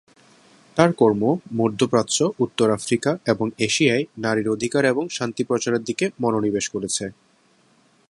তার কর্ম মধ্যপ্রাচ্য, উত্তর আফ্রিকা এবং এশিয়ায় নারীর অধিকার এবং শান্তি প্রচারের দিকে মনোনিবেশ করেছে।